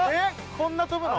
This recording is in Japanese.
こんな飛ぶの？